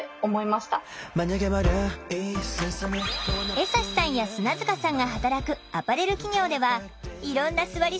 江刺さんや砂塚さんが働くアパレル企業ではいろんなすわり